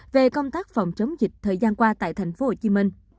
về công tác phòng chống dịch thời gian qua tại tp hcm